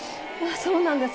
そうなんです。